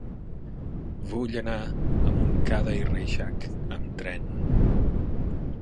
Vull anar a Montcada i Reixac amb tren.